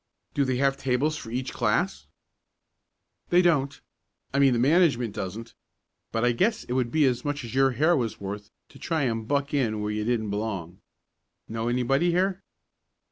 "Do they have tables for each class." "They don't I mean the management doesn't, but I guess it would be as much as your hair was worth to try to buck in where you didn't belong. Know anybody here?"